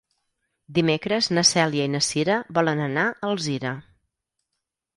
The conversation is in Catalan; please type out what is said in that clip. Dimecres na Cèlia i na Cira volen anar a Alzira.